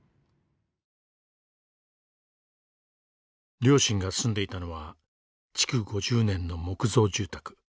両親が住んでいたのは築５０年の木造住宅。